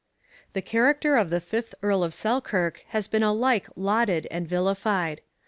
The character of the fifth Earl of Selkirk has been alike lauded and vilified.